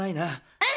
うん！